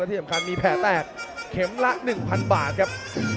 แล้วที่สำคัญก็จะมีแผลแตกเข็มละ๑๐๐๐บาทครับ